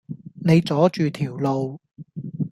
你阻住條路